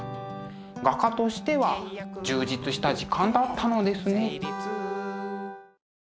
画家としては充実した時間だったのですね。